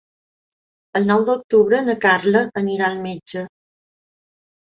El nou d'octubre na Carla anirà al metge.